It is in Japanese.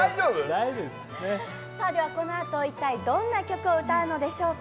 このあと一体どんな曲を歌うのでしょうか。